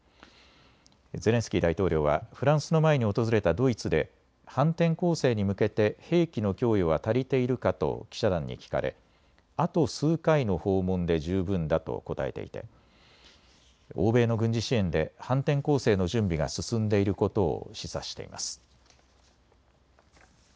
ゼレンスキー大統領はフランスの前に訪れたドイツで反転攻勢に向けて兵器の供与は足りているかと記者団に聞かれあと数回の訪問で十分だと答えていて欧米の軍事支援で反転攻勢の準備が進んでいることを示唆しています。